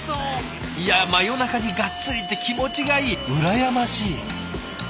いや真夜中にがっつりって気持ちがいい羨ましい！